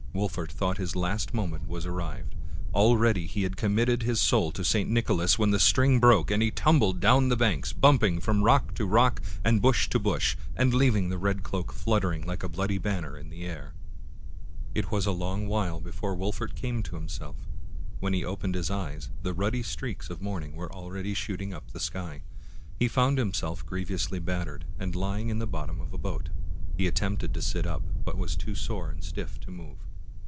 Wolfert thought his last moment was arrived; al ready had he committed his soul to St. Nicholas, when the string broke, and he tumbled down the bank, bumping from rock to rock and bush to bush, and leaving the red cloak fluttering like a bloody banner in the air. It was a long while before Wolfert came to himself. When he opened his eyes, the ruddy streaks of morning were already shooting up the sky. He found himself griev ously battered, and lying in the bottom of a boat. He attempted to sit up, but was too sore and stiff to move.